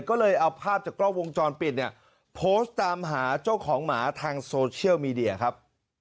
ก็เลยเอาภาพจากกล้องวงจรปิดเนี่ยโพสต์ตามหาเจ้าของหมาทางโซเชียลมีเดียครับ